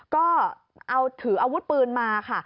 ก็เอาถืออาวุธปืนมาค่ะ